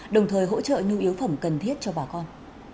đồng thời hỗ trợ nhu yếu phẩm cần thiết cho bà con